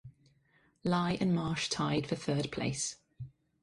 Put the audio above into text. Lye and Marsh tied for third place.